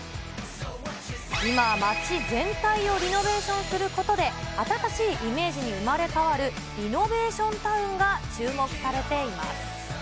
今、街全体をリノベーションすることで、新しいイメージに生まれ変わるリノベーションタウンが注目されています。